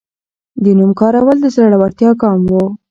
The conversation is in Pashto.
د نوم کارول د زړورتیا ګام و.